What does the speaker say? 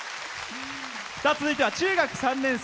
続いては、中学３年生。